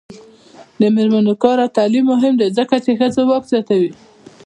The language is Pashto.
د میرمنو کار او تعلیم مهم دی ځکه چې ښځو واک زیاتوي.